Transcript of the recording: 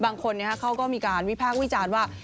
บางคนเขาก็มีการวิพากษ์วิจารณ์ว่า